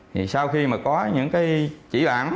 thì sau khi mà có những cái chỉ bản